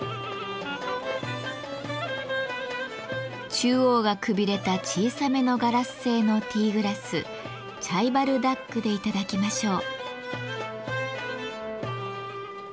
中央がくびれた小さめのガラス製のティーグラスチャイバルダックで頂きましょう。